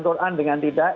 dibacakan quran dengan tidak